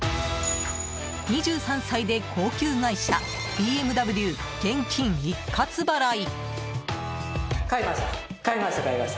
２３歳で高級外車ＢＭＷ現金一括払い。